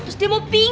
terus dia mau pingin